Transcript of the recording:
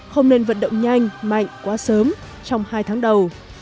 không nên vận động nhanh mạnh quá sớm trong hai tháng đầu